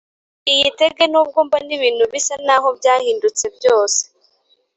iyitege nubwo mbona ibintu bisa n` aho byahindutse byose